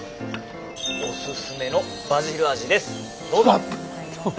おすすめのバジル味です。